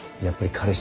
彼氏！